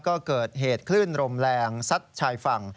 ก็เกิดเหตุคลื่นลมแรงซัดชายฝั่ง